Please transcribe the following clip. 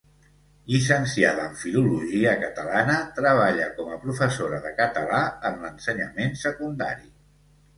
Llicenciada en filologia catalana, treballa com a professora de català en l'ensenyament secundari.